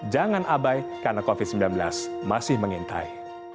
jangan abai karena covid sembilan belas masih mengintai